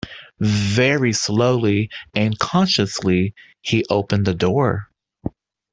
Very slowly and cautiously he opened the door.